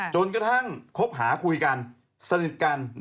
จนกระทั่งคบหาคุยกันสนิทกัน